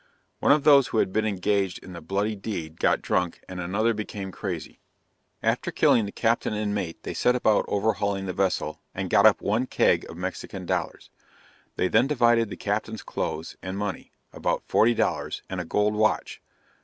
One of those who had been engaged in the bloody deed got drunk, and another became crazy! [Illustration: Gibbs shooting a comrade.] After killing the captain and mate, they set about overhauling the vessel, and got up one keg of Mexican dollars. They then divided the captain's clothes, and money about 40 dollars, and a gold watch.